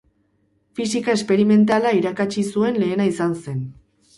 Fisika esperimentala irakatsi zuen lehena izan zen.